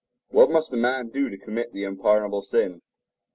What must a man do to commit the unpardonable sin?